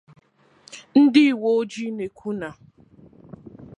Ndị uwe ojii na-ekwu na